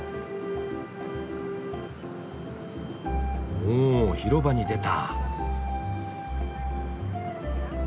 おお広場に出た。